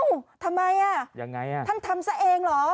ยังไงอ่ะสสภักดิ์พลังประชารัฐภักดิ์รัฐบาลท่านทำซะเองเหรอ